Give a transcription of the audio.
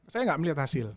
saya gak melihat hasil